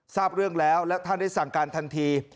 ทราบเรื่องแล้วและท่านได้สั่งการทันที